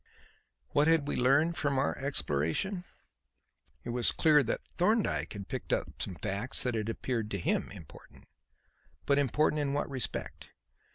What had we learned from our exploration? It was clear that Thorndyke had picked up some facts that had appeared to him important. But important in what respect?